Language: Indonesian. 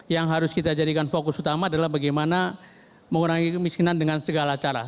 yang harus kita jadikan fokus utama adalah bagaimana mengurangi kemiskinan dengan segala cara